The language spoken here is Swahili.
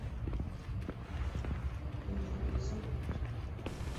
ndipo matangazo hayo yaliongezewa dakika nyingine thelathini na